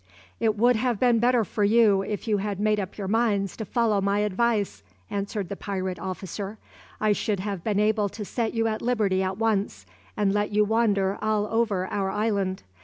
"It would have been better for you if you had made up your minds to follow my advice," answered the pirate officer; "I should have been able to set you at liberty at once and let you wander all over our island.